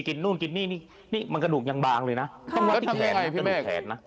กินนู่นกินนี่นี่มันกระดูกยังบางเลยนะต้องลดที่แขน